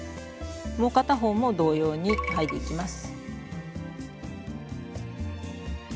もう片方も同様にはいでいきます。